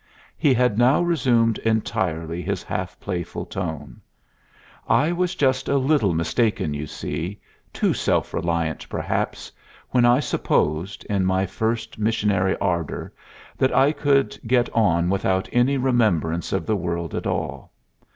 He had now resumed entirely his half playful tone. "I was just a little mistaken, you see too self reliant, perhaps when I supposed, in my first missionary ardor, that I could get on without any remembrance of the world at all.